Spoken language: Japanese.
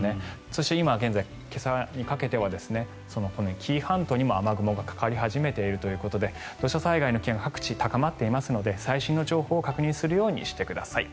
そして今現在、今朝にかけては紀伊半島にも雨雲がかかり始めているということで土砂災害の危険が各地高まっていますので最新の情報を確認するようにしてください。